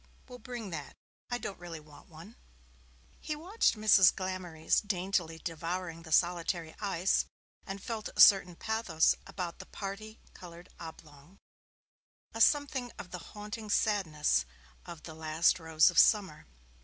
'Well, bring that. I don't really want one.' He watched Mrs. Glamorys daintily devouring the solitary ice, and felt a certain pathos about the parti coloured oblong, a something of the haunting sadness of 'The Last Rose of Summer'.